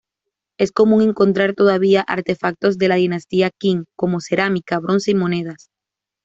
Es común encontrar todavía artefactos de la dinastía Qin, como cerámica, bronce y monedas.